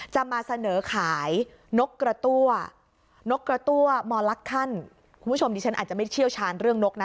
จะมาเสนอขายนกกระตั้วนกกระตั้วมอลักคันคุณผู้ชมดิฉันอาจจะไม่เชี่ยวชาญเรื่องนกนะ